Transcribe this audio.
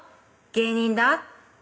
「芸人だ」